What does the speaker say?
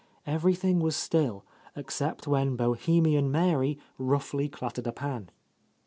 Everything was still, except when Bohemian Mary roughly clattered a pan.